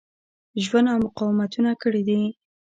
ژوند او مقاومتونه کړي دي.